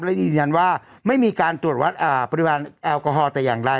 ก็ได้ยืนยันว่าไม่มีการตรวจวัดอ่าปฏิบันแอลกอฮอล์แต่อย่างไร